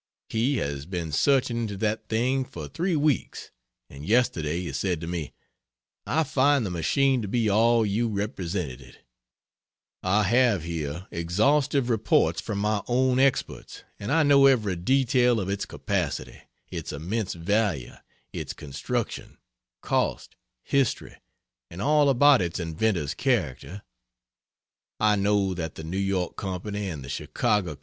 He has been searching into that thing for three weeks, and yesterday he said to me, "I find the machine to be all you represented it I have here exhaustive reports from my own experts, and I know every detail of its capacity, its immense value, its construction, cost, history, and all about its inventor's character. I know that the New York Co. and the Chicago Co.